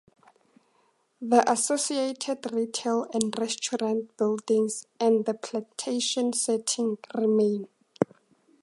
The associated retail and restaurant buildings and the plantation setting remain.